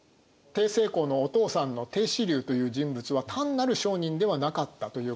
成功のお父さんの芝竜という人物は単なる商人ではなかったということですね。